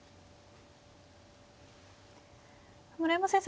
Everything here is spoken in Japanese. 村山先生